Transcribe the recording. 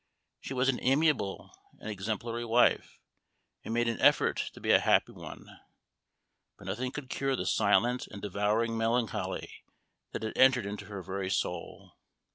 She was an amiable and exemplary wife, and made an effort to be a happy one; but nothing could cure the silent and devouring melancholy that had entered into her very soul.